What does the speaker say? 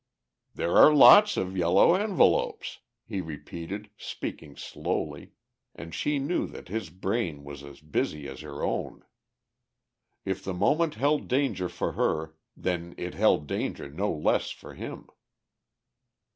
"There are lots of yellow envelopes," he repeated, speaking slowly, and she knew that his brain was as busy as her own. If the moment held danger for her, then it held danger no less for him.